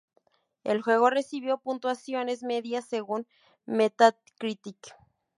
El juego recibió "puntuaciones" medias según Metacritic.